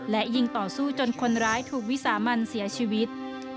และยิงต่อสู้จนคนร้ายถูกวิสามันเสียชีวิต